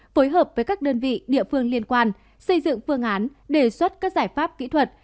phối hợp với các đơn vị địa phương liên quan xây dựng phương án đề xuất các giải pháp kỹ thuật